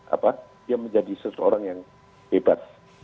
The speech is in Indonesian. apa dia menjadi seseorang yang bebas